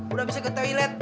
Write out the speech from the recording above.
udah bisa ke toilet